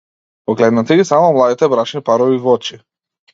Погледнете ги само младите брачни парови в очи.